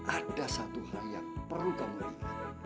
ada satu hal yang perlu kamu lihat